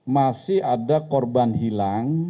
masih ada korban hilang